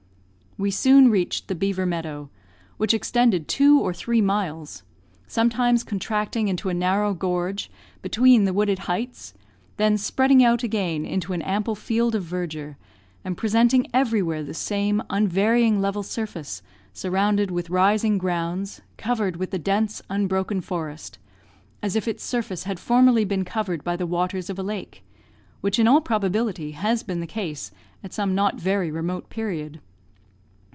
We soon reached the beaver meadow, which extended two or three miles; sometimes contracting into a narrow gorge, between the wooded heights, then spreading out again into an ample field of verdure, and presenting everywhere the same unvarying level surface, surrounded with rising grounds, covered with the dense unbroken forest, as if its surface had formerly been covered by the waters of a lake; which in all probability has been the case at some not very remote period.